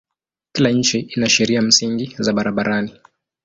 Kila nchi ina sheria msingi za barabarani.